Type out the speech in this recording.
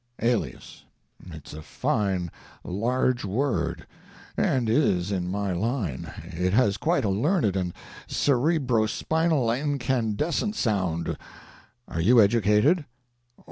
"Alias. It's a fine large word, and is in my line; it has quite a learned and cerebrospinal incandescent sound. Are you educated?"